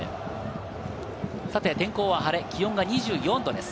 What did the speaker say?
天候は晴れ、気温は２４度です。